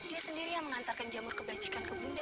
dia sendiri yang mengantarkan jamur kebajikan ke bunda